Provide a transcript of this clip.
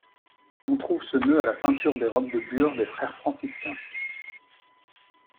On trouve ce nœud à la ceinture des robes de bure des frères franciscains.